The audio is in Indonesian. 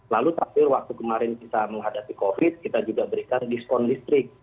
lalu terakhir waktu kemarin kita menghadapi covid kita juga berikan diskon listrik